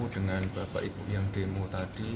dengan bapak ibu yang demo tadi